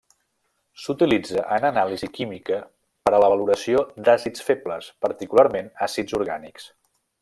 S'utilitza en anàlisi química per a la valoració d'àcids febles, particularment àcids orgànics.